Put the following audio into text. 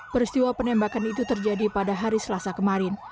peristiwa penembakan itu terjadi pada hari selasa kemarin